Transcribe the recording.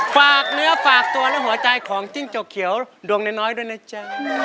ฝากเนื้อฝากตัวและหัวใจของจิ้งจกเขียวดวงน้อยด้วยนะจ๊ะ